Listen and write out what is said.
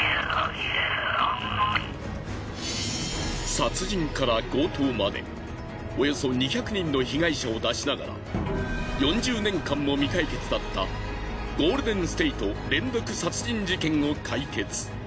殺人から強盗までおよそ２００人の被害者を出しながら４０年間も未解決だったゴールデン・ステイト連続殺人事件を解決。